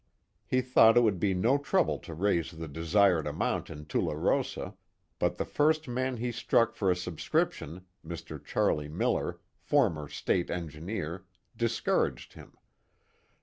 He thought it would be no trouble to raise the desired amount in Tularosa, but the first man he struck for a subscription, Mr. Charlie Miller, former state engineer, discouraged him.